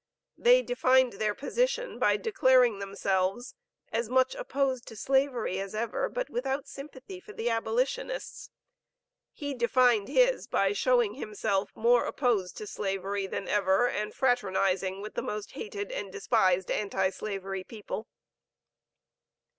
They defined their position by declaring themselves "as much opposed to slavery as ever, but without sympathy for the abolitionists." He defined his by showing himself more opposed to slavery than ever, and fraternizing with the most hated and despised anti slavery people.